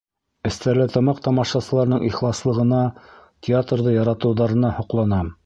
Стәрлетамаҡ тамашасыларының ихласлығына, театрҙы яратыуҙарына һоҡланам.